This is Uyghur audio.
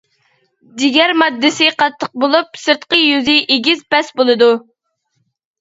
جىگەر ماددىسى قاتتىق بولۇپ، سىرتقى يۈزى ئېگىز-پەس بولىدۇ.